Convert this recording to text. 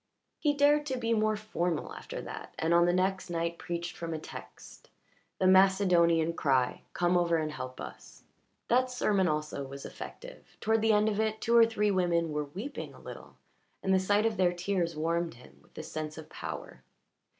He dared to be more formal after that, and on the next night preached from a text the Macedonian cry, "Come over and help us." That sermon also was effective: toward the end of it two or three women were weeping a little, and the sight of their tears warmed him with the sense of power.